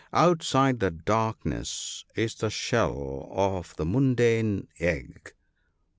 Outside that dark ness is the shell of the mundane egg.